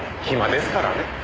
暇ですからね。